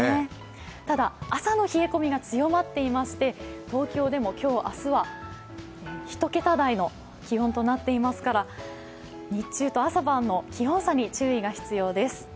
ただ、朝の冷え込みが強まっていまして、東京でも今日、明日は１桁台の気温となっていますから日中と朝晩の気温差に注意が必要です。